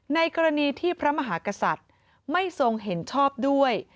ในกรณีที่พระมหากษัตริย์ไม่ทรงเห็นชอบด้วย